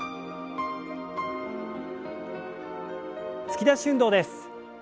突き出し運動です。